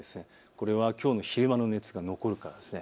これはきょうの昼間の熱が残るからです。